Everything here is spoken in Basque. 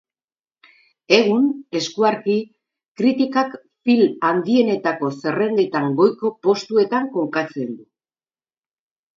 Egun, eskuarki, kritikak film handienetako zerrendetan goiko postuetan kokatzen du.